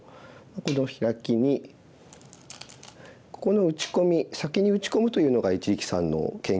このヒラキにここの打ち込み先に打ち込むというのが一力さんの研究の成果ですね。